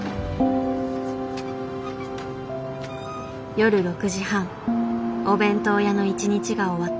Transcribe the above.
夜６時半お弁当屋の一日が終わった。